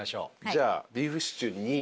じゃあビーフシチュー２。